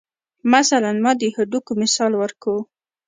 مثلاً ما د هډوکو مثال ورکو.